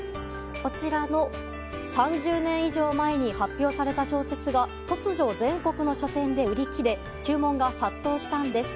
こちらの３０年以上前に発表された小説が突如、全国の書店で売り切れ注文が殺到したんです。